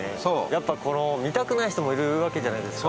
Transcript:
やっぱ、見たくない人もいるわけじゃないですか。